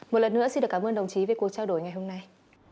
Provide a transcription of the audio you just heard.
một lần nữa xin được cảm ơn đồng chí về cuộc trao đổi ngày hôm nay